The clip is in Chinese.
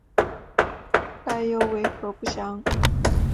来由为何不详。